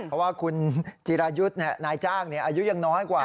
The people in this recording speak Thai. เพราะว่าคุณจิรายุทธ์นายจ้างอายุยังน้อยกว่า